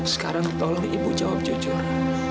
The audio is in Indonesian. sekarang tolong ibu jawab jujur